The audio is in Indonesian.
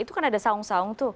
itu kan ada saung saung tuh